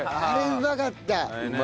あれうまかった！